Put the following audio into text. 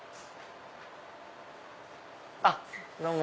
あっどうも。